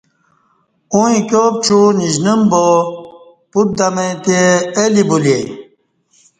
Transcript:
ا وں ایکیوپچوع ن شنم با پوت دمے تے اہ لی بلے